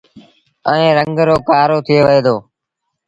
ائيٚݩ رنگ رو ڪآرو ٿئي وهي دو۔